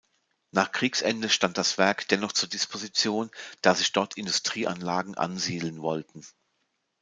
Nach Kriegsende stand das Werk dennoch zur Disposition, da sich dort Industrieanlagen ansiedeln wollten.